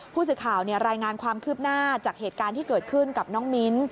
ผู้สื่อข่าวรายงานความคืบหน้าจากเหตุการณ์ที่เกิดขึ้นกับน้องมิ้น